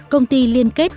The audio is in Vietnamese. công ty liên kết